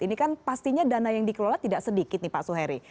ini kan pastinya dana yang dikelola tidak sedikit nih pak suheri